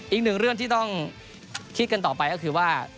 อีกหนึ่งเรื่องที่ต้องคิดกันต่อไปก็คือว่า